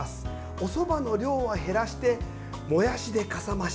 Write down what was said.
おそばの量は減らしてもやしでかさ増し！